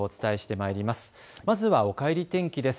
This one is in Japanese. まずはおかえり天気です。